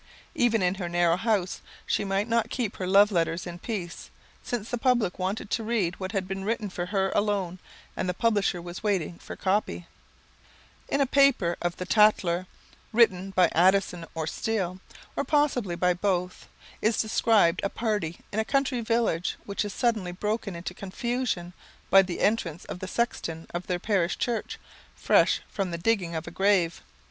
Even in her "narrow house" she might not keep her love letters in peace, since the public wanted to read what had been written for her alone and the publisher was waiting for "copy." [Sidenote: Letters in a Grave] In a paper of the Tatler, written by Addison or Steele, or possibly by both, is described a party in a country village which is suddenly broken into confusion by the entrance of the sexton of their parish church, fresh from the digging of a grave.